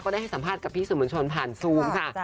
ได้ให้สัมภาษณ์กับพี่สื่อมวลชนผ่านซูมค่ะ